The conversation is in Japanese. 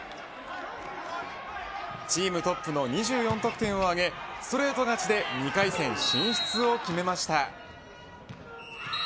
チームトップの２４得点を挙げストレート勝ちで２回戦進出を決めました。